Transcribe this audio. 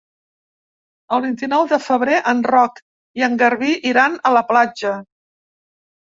El vint-i-nou de febrer en Roc i en Garbí iran a la platja.